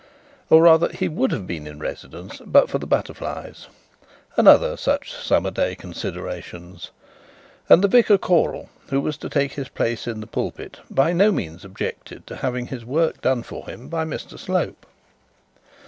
Or, rather, he would have been in residence but for the butterflies and other such summer day considerations; and the vicar choral, who was to take his place in the pulpit, by no means objected to having his word done for him by Mr Slope.